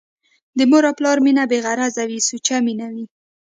د مور او پلار مينه بې غرضه وي ، سوچه مينه وي